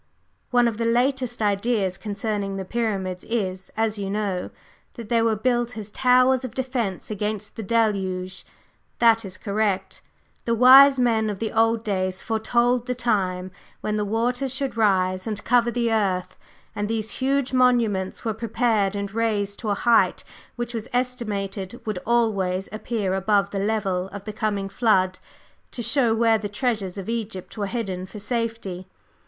"One of the latest ideas concerning the Pyramids is, as you know, that they were built as towers of defence against the Deluge. That is correct. The wise men of the old days foretold the time when 'the waters should rise and cover the earth,' and these huge monuments were prepared and raised to a height which it was estimated would always appear above the level of the coming flood, to show where the treasures of Egypt were hidden for safety.